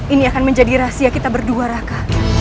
ini akan menjadi rahasia kita berdua raka